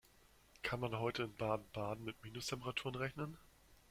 Kann man heute in Baden-Baden mit Minustemperaturen rechnen?